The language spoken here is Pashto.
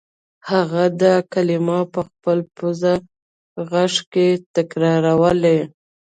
هغه دا کلمې په خپل پوزه غږ کې تکرارولې